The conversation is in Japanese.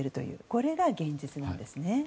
これが現実なんですね。